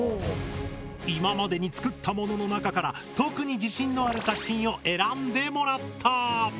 今までに作ったものの中から特に自信のある作品を選んでもらった。